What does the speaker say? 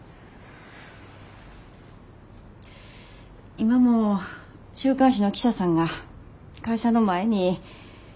今も週刊誌の記者さんが会社の前に張り込んでます。